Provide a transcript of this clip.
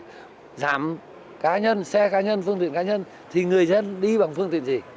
thế thì bây giờ phải giảm cá nhân xe cá nhân phương tiện cá nhân thì người dân đi bằng phương tiện gì